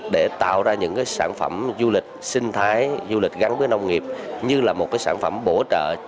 để tạo ra những sản phẩm du lịch sinh thái du lịch gắn với nông nghiệp như là một sản phẩm bổ trợ